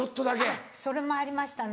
あっそれもありましたね。